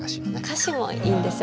歌詞もいいんですよ